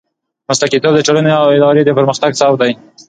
مسلکیتوب د ټولنې او ادارې د پرمختګ سبب دی.